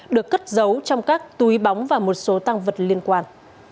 được cất giấu trong các túi bóng và một số tăng vật liên quan